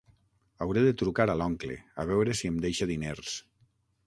Hauré de trucar a l'oncle, a veure si em deixa diners.